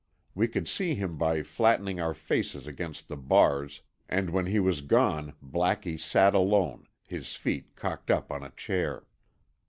We could see him by flattening our faces against the bars, and when he was gone Blackie sat alone, his feet cocked up on a chair.